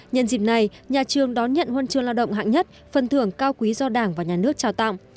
nhân dịp này nhà trường đón nhận huân chương lao động hạng nhất phần thưởng cao quý do đảng và nhà nước trao tặng